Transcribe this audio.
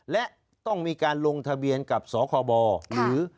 และต้องมีการลงทะเบียนกับสคบหรือ